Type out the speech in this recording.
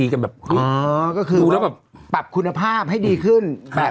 กันแบบอ๋อก็คือดูแล้วแบบปรับคุณภาภาพให้ดีขึ้น